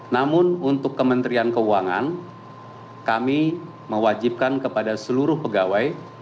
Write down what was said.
namun untuk kementerian keuangan kami mewajibkan kepada seluruh pegawai